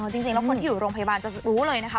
จริงแล้วคนที่อยู่โรงพยาบาลจะรู้เลยนะคะ